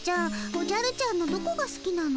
おじゃるちゃんのどこがすきなの？